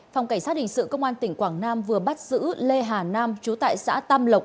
phòng cảnh sát hình sự công an tỉnh quảng nam vừa bắt giữ lê hà nam trú tại xã tam lộc